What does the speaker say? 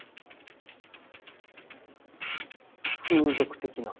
風俗的な。